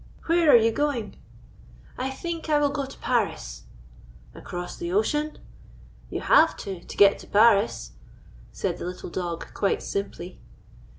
" Where are you going ?"" I think I will go to Paris." " Across the ocean ?"" You have to, to get to Paris," said the little dog, quite simply.